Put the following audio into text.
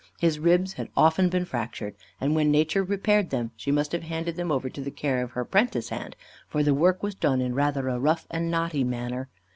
His ribs had often been fractured, and when nature repaired them, she must have handed them over to the care of her 'prentice hand,' for the work was done in rather a rough and knotty manner.